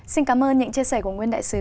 xin cảm ơn những chia sẻ của nguyên đại sứ